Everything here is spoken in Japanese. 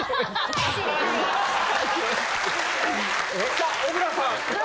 さあ小倉さん。